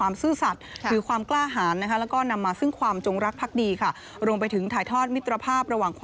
เมาะมากต้อง